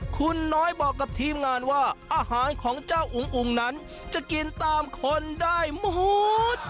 คุณน้อยบอกกับทีมงานว่าอาหารของเจ้าอุ๋งอุ๋งนั้นจะกินตามคนได้หมด